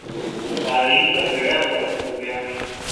تعلیم کا بیڑہ غرق ہو گیا ہے۔